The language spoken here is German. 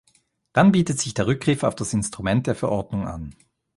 Dann bietet sich der Rückgriff auf das Instrument der Verordnung an.